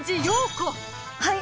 はい！